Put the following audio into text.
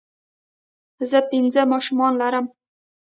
زۀ پنځه ماشومان لرم